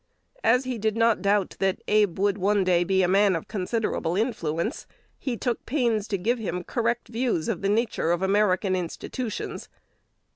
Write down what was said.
As he did not doubt that Abe would one day be a man of considerable influence, he took pains to give him correct views of the nature of American institutions.